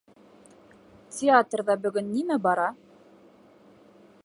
Театрҙа бөгөн нимә бара?